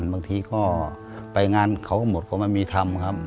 บางทีก็ไปงานเขาก็หมดก็ไม่มีทำครับ